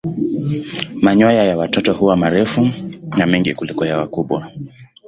Manyoya ya watoto huwa marefu na mengi kuliko ya wakubwa.